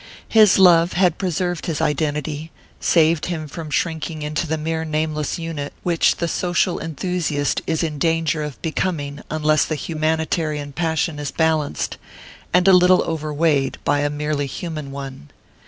His love had preserved his identity, saved him from shrinking into the mere nameless unit which the social enthusiast is in danger of becoming unless the humanitarian passion is balanced, and a little overweighed, by a merely human one.